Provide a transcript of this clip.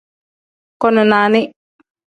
Koni nani.